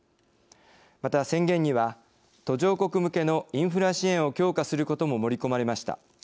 また宣言には途上国向けのインフラ支援を強化することも盛り込まれました。